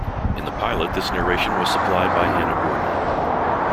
In the pilot this narration was supplied by Hannah Gordon.